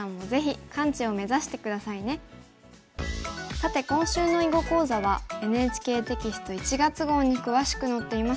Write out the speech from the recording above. さて今週の囲碁講座はＮＨＫテキスト１月号に詳しく載っています。